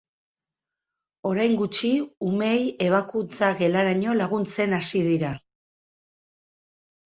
Orain gutxi, umeei ebakuntza gelaraino laguntzen hasi dira.